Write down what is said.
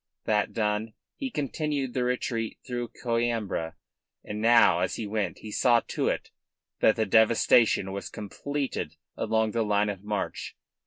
That done, he continued the retreat through Coimbra. And now as he went he saw to it that the devastation was completed along the line of march.